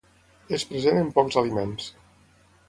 És present en pocs aliments.